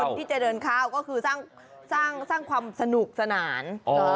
ให้กับคนที่จะเดินเข้าก็คือสร้างความสนุกสนาน